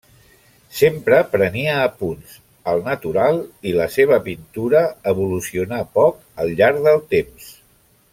Sempre prenia apunts al natural i la seva pintura evolucionà poc al llarg del temps.